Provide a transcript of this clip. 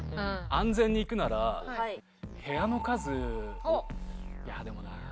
安全にいくなら部屋の数いやでもなあ。